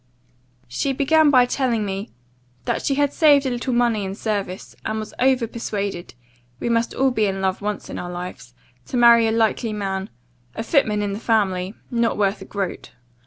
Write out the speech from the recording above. "She began by telling me, 'That she had saved a little money in service; and was over persuaded (we must all be in love once in our lives) to marry a likely man, a footman in the family, not worth a groat.